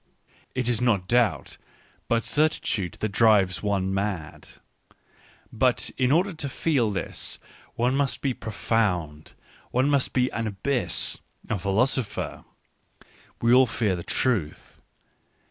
It is not doubt, but certi tude that drives one mad. ... But in order to feel this, one must be profound, one must be an abyss, a philosopher. ... We all fear the truth.